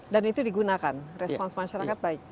dan itu digunakan respons masyarakat baik